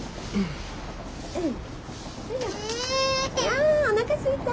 あおなかすいた。